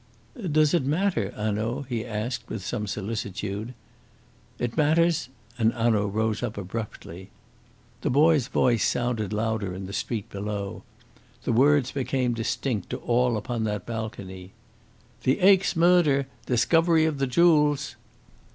"Does it matter, Hanaud?" he asked, with some solicitude. "It matters " and Hanaud rose up abruptly. The boy's voice sounded louder in the street below. The words became distinct to all upon that balcony. "The Aix murder! Discovery of the jewels!"